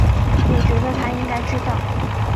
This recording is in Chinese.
我觉得他应该知道